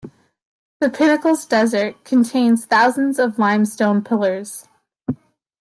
The Pinnacles Desert contains thousands of limestone pillars.